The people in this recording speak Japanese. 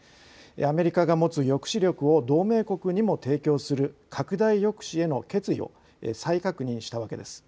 アメリカが持つ抑止力を同盟国にも提供する拡大抑止への決意を再確認したわけです。